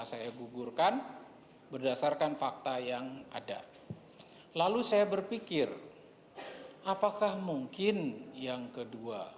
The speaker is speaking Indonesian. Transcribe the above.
saya gugurkan berdasarkan fakta yang ada lalu saya berpikir apakah mungkin yang kedua